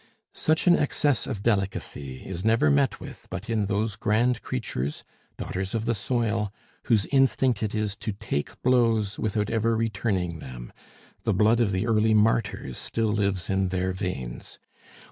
Such an excess of delicacy is never met with but in those grand creatures, daughters of the soil, whose instinct it is to take blows without ever returning them; the blood of the early martyrs still lives in their veins.